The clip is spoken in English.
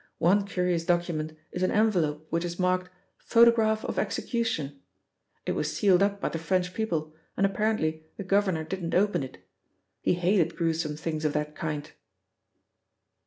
One curious document is an envelope which is marked 'Photograph of Execution': it was sealed up by the French people, and apparently the governor didn't open it. He hated gruesome things of that kind."